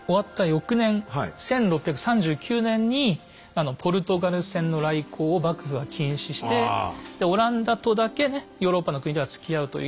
翌年１６３９年にポルトガル船の来航を幕府は禁止してオランダとだけヨーロッパの国ではつきあうといういわゆる。